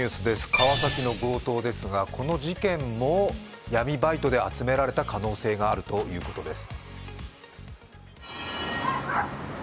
川崎の強盗ですが、この事件も闇バイトで集められた可能性があるということです。